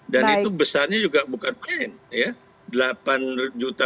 dan itu besarnya juga bukan main ya